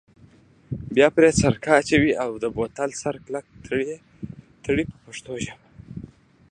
بیا پرې سرکه اچوئ او د بوتل سر کلک تړئ په پښتو ژبه.